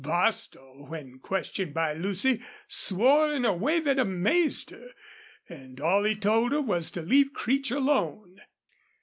Bostil, when questioned by Lucy, swore in a way that amazed her, and all he told her was to leave Creech alone.